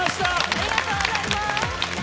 ありがとうございます！